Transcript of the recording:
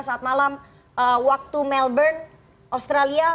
saat malam waktu melbourne australia